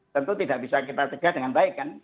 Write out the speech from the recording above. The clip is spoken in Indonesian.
tentu tidak bisa kita cegah dengan baik kan